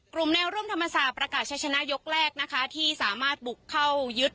กลุ่มแนวร่มธรรมศาประกาศชะชนะยกแรกนะคะที่สามารถบุคเข้ายึด